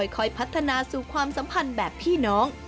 ค่อยพัฒนาสู่ความสัมพันธ์แบบพี่น้อง